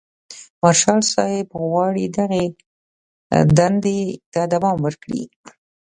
مارشال صاحب غواړي دغې دندې ته دوام ورکړي.